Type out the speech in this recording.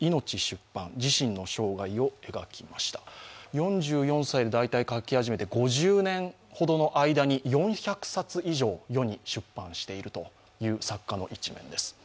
４４歳で大体書き始めて、５０年ほどの間に４００冊以上、世に出版しているという作家の一面です。